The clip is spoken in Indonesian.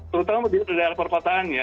terutama di daerah perkotaan ya